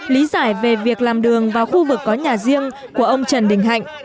lý giải về việc làm đường vào khu vực có nhà riêng của ông trần đình hạnh